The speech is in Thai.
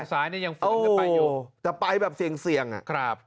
ถนนสายเนี่ยยังฝืนกันไปอยู่โอ้โหแต่ไปแบบเสี่ยงอะครับ